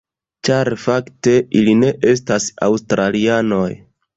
Ĉar fakte, ili ne estas aŭstralianoj.